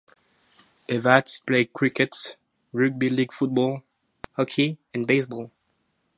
Evatt played cricket, rugby league football, hockey and baseball.